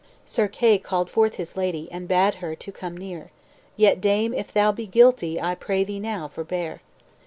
"Sir Kay called forth his lady, And bade her to come near: 'Yet dame, if thou be guilty, I pray thee now forbear.'